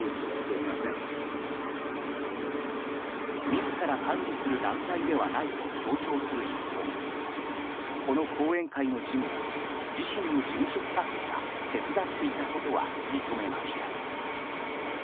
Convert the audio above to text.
自ら管理する団体ではないと強調する一方この後援会の事務を自身の事務所スタッフが手伝っていたことは認めました。